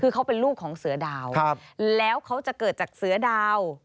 คือเขาเป็นลูกของเสือดาวแล้วเขาจะเกิดจากเสือดาว